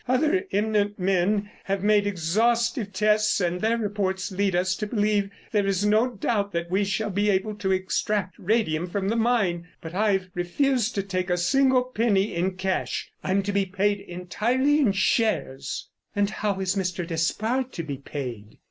Other eminent men have made exhaustive tests, and their report leads us to believe there is no doubt that we shall be able to extract radium from the mine. But I've refused to take a single penny in cash; I'm to be paid entirely in shares." "And how is Mr. Despard to be paid?"